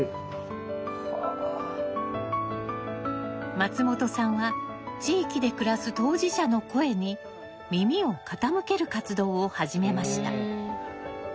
松本さんは地域で暮らす当事者の声に耳を傾ける活動を始めました。